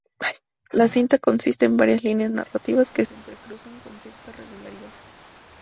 La cinta consiste en varias líneas narrativas que se entrecruzan con cierta regularidad.